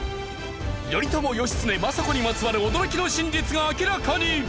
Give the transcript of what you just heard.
頼朝義経政子にまつわる驚きの真実が明らかに！